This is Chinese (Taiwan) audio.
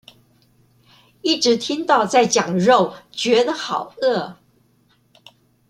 一直聽到在講肉覺得好餓